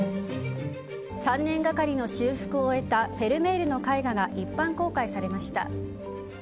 ３年がかりの修復を終えたフェルメールの絵画が一般公開されました。